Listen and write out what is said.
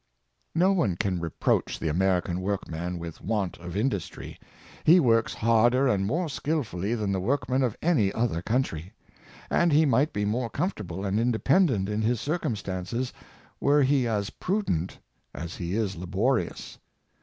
"" No one can reproach the American workman with want of industry. He works harder and more skill fully than the workman of any other country; and he might be more comfortable and independent in his cir cumstances, were he as prudent as he is laborious.